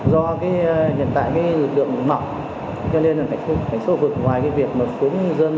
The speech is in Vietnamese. do hiện tại lực lượng mỏng